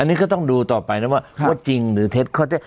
อันนี้ก็ต้องดูต่อไปนะว่าจริงหรือเท็จข้อเท็จ